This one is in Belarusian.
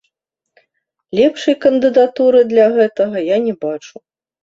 Лепшай кандыдатуры для гэтага я не бачу.